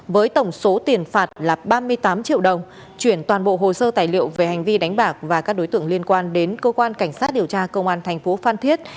với tổng số tiền phạt là ba mươi tám triệu đồng chuyển toàn bộ hồ sơ tài liệu về hành vi đánh bạc và các đối tượng liên quan đến cơ quan cảnh sát điều tra công an thành phố phan thiết